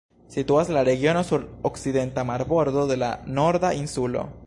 Situas la regiono sur okcidenta marbordo de la Norda Insulo.